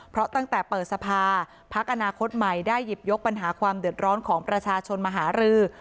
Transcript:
เพราะตั้งแต่เปิดสภาพักอนาคตใหม่ได้หยิบยกปัญหาความเดือดร้อนของประชาชนมาหารือ